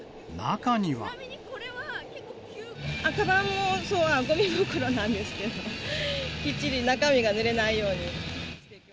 かばんもそう、ごみ袋なんですけど、きっちり中身が濡れないように。